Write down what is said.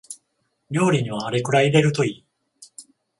料理にはあれくらい入れるといい